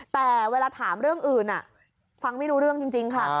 แต่เวลาถามเรื่องอื่นฟังไม่รู้เรื่องจริงค่ะ